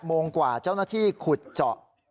โมงกว่าเจ้าหน้าที่ขุดเจาะ